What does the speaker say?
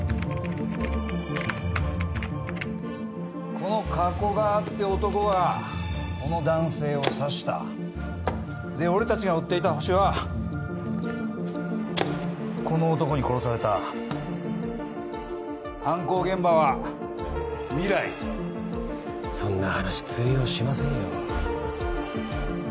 この加古川って男がこの男性を刺したで俺達が追っていたホシはこの男に殺された犯行現場は未来そんな話通用しませんよ